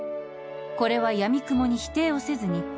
「これはやみくもに否定をせずに」